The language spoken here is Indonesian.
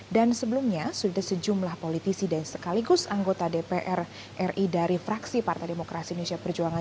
dan sebelumnya sudah sejumlah politisi dan sekaligus anggota dpr ri dari fraksi partai demokrasi indonesia perjuangan